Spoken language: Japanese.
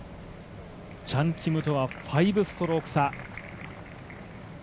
チャン・キムとは４ストローク差。